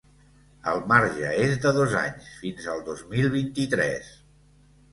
El marge és de dos anys, fins el dos mil vint-i-tres.